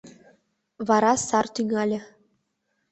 Вара сар тӱҥале.